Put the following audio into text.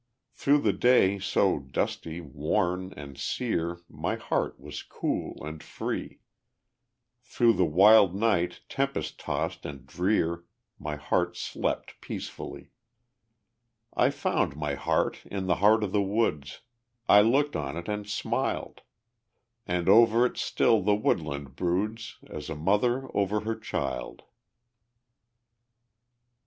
Through the day so dusty, worn and sere My heart was cool and free, Through the wild night, tempest tossed and drear, My heart slept peacefully. I found my heart in the heart of the woods, I looked on it and smiled; And over it still the woodland broods, As a mother over her child.